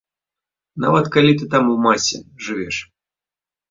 Нават калі ты там у масе жывеш!